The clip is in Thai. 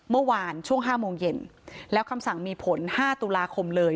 เมื่อวานช่วง๕โมงเย็นแล้วคำสั่งมีผล๕ตุลาคมเลย